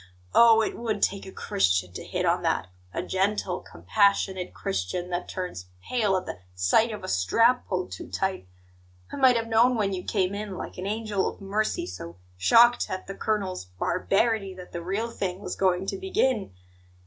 Oh! it would take a Christian to hit on that a gentle, compassionate Christian, that turns pale at the sight of a strap pulled too tight! I might have known when you came in, like an angel of mercy so shocked at the colonel's 'barbarity' that the real thing was going to begin!